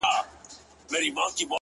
• تالنده برېښنا يې خــوښـــــه ســوېده؛